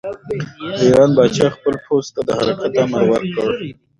د ایران پاچا خپل پوځ ته د حرکت امر ورکړ.